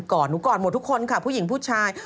อดหนูกอดหมดทุกคนค่ะผู้หญิงผู้ชาย